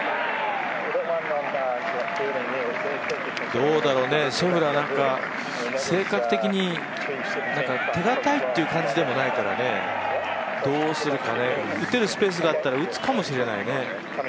どうだろうね、シェフラーなんか性格的に手堅いという感じでもないからね、どうするかね、打てるスペースがあったら打つかもしれないね。